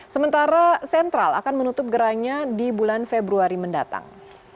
sementara sentral akan menutup gerainya di bulan februari mendatang